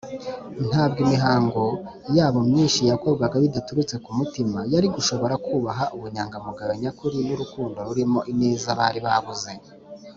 ntabwo imihango yabo myinshi yakorwaga bidaturutse ku mutima yari gushobora kubaha ubunyangamugayo nyakuri n’urukundo rurimo ineza bari babuze,